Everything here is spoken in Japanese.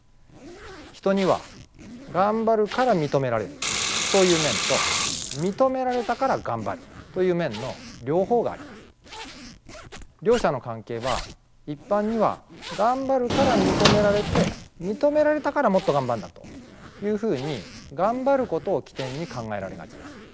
人にはがんばるから認められるそういう面と認められたからがんばるという面の両方があります。両者の関係は一般には「がんばるから認められて認められたからもっとがんばるんだ」というふうにがんばることを起点に考えられがちです。